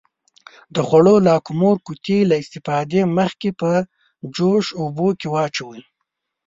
د خوړو لاکمُر قوطي له استفادې مخکې په جوش اوبو کې واچوئ.